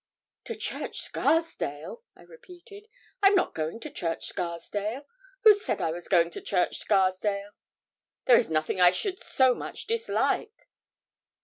'To Church Scarsdale?' I repeated; 'I'm not going to Church Scarsdale; who said I was going to Church Scarsdale? There is nothing I should so much dislike.'